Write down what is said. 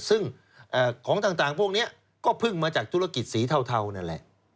ซึ่งของต่างพวกนี้ก็เพิ่งมาจากธุรกิจสีเทานั่นแหละ